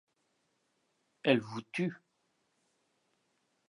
Elle vous tue.